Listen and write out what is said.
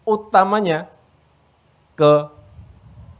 utamanya ke jakarta